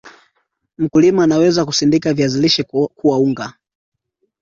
mkulima anaweza kusindika viazi lishe kuwa unga